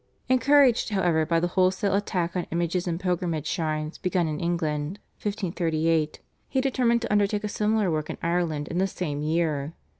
Encouraged, however, by the wholesale attack on images and pilgrimage shrines begun in England (1538), he determined to undertake a similar work in Ireland in the same year.